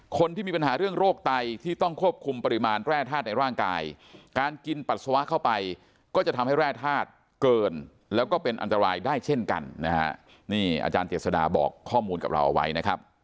คนที่มีปัญหาเรื่องโรคไตต้องควบคุมปริมาณแร่ธาตุในร่างกายการกินปัสสาวะเข้าไปก็จะทำให้แร่ธาตุเกินเป็นอันตรายได้เท่ากัน